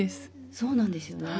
そうなんですよね。